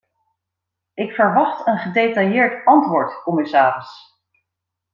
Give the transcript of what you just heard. Ik verwacht een gedetailleerd antwoord, commissaris.